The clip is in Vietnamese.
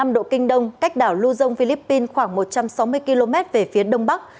một trăm hai mươi ba năm độ kinh đông cách đảo lưu dông philippines khoảng một trăm sáu mươi km về phía đông bắc